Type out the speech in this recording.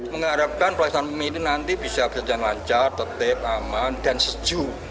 mengharapkan pelaksanaan pemimpin nanti bisa berjalan lancar tetep aman dan sejuk